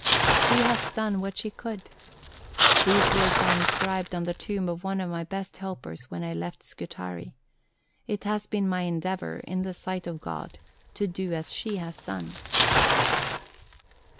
'She hath done what she could.' These words I inscribed on the tomb of one of my best helpers when I left Scutari. It has been my endeavour, in the sight of God, to do as she has done."